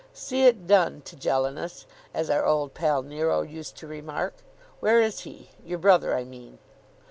"See it done, Tigellinus, as our old pal Nero used to remark. Where is he? Your brother, I mean."